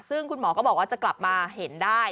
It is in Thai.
ซึ่งคุณหมอก็บอกว่าจะกลับมาเห็นได้